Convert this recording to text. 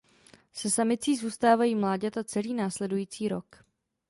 Se samicí zůstávají mláďata celý následující rok.